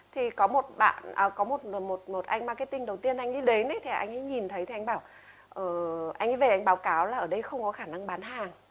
thì có một anh marketing đầu tiên anh ấy đến thì anh ấy nhìn thấy thì anh ấy bảo anh ấy về anh ấy báo cáo là ở đây không có khả năng bán hàng